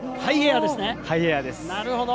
ハイエアーですね。